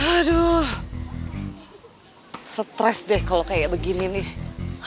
aduh stres deh kalau kayak begini nih